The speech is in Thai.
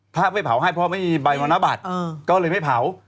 ถ้าไม่เผาให้เพราะไม่มีใบมรณบัตรก็เลยไม่เผา